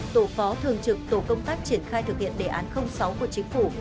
tổ phó thường trực tổ công tác triển khai thực hiện đề án sáu của chính phủ